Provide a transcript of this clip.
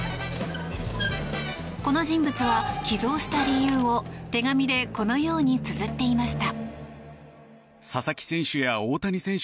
この人物は寄贈した理由を手紙でこのようにつづっていました。